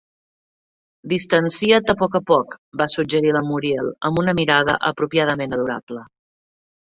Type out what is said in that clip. "Distancia't a poc a poc", va suggerir la Muriel amb una mirada apropiadament adorable.